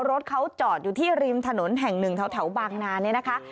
รถเขาจอดอยู่ที่ริมถนนแห่งหนึ่งแถวบางนาเนี่ยนะคะ